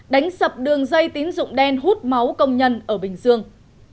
đánh sập đường dây tín dụng đen hút máu công nhân ở bình dương